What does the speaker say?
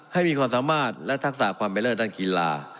ให้มีความสามารถและทักษะความเป็นเลิศด้านกีฬา